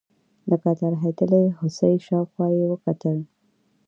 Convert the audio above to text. لکه ترهېدلې هوسۍ شاوخوا یې وکتل.